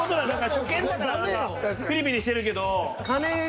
初見だから何かピリピリしてるけど。